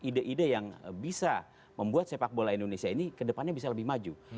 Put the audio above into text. ide ide yang bisa membuat sepak bola indonesia ini kedepannya bisa lebih maju